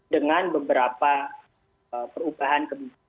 dengan beberapa perubahan